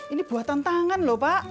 ini buatan tangan loh pak